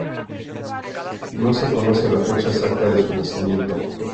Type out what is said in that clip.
No se conoce la fecha exacta de su nacimiento.